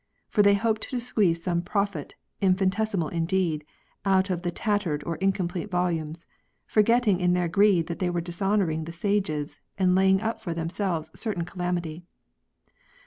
For they hoped to squeeze some profit, infinitesimal indeed, out of tattered or incomplete volumes ; forgetting in their greed that they were dishonouring the sages, and laying up for themselves certain calamity.